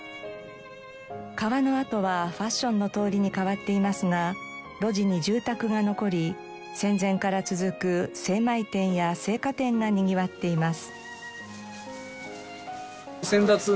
川の跡はファッションの通りに変わっていますが路地に住宅が残り戦前から続く精米店や青果店がにぎわっています。